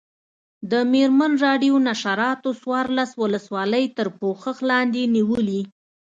د مېرمن راډیو نشراتو څوارلس ولسوالۍ تر پوښښ لاندې نیولي.